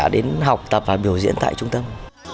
đến học tập và biểu diễn tại trung tâm